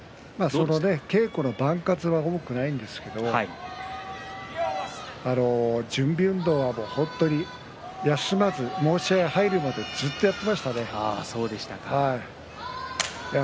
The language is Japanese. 稽古の番数は多くないんですけど準備運動は休まずに申し合いに入るまでずっとやっていましたね。